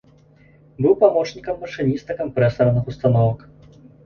Быў памочнікам машыніста кампрэсарных установак.